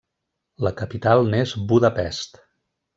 La capital n'és Budapest.